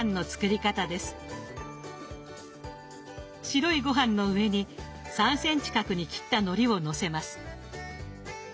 白いごはんの上に３ｃｍ角に切ったのりをのせます。